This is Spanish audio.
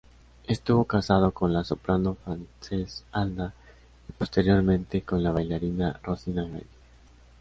Estuvo casado con la soprano Frances Alda y, posteriormente, con la bailarina Rosina Galli.